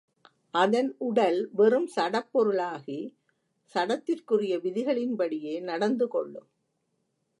அதன் உடல் வெறும் சடப் பொருளாகி, சடத்திற்குரிய விதிகளின்படியே நடந்து கொள்ளும்.